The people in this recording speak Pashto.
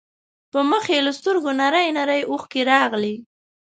په مخ يې له سترګو نرۍ نرۍ اوښکې راغلې.